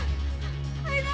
kau tak bisa